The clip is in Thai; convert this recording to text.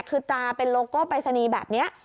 คือตาเป็นโลโก้ปรายศนีย์แบบนี้